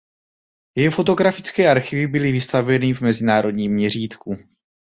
Jeho fotografické archivy byly vystaveny v mezinárodním měřítku.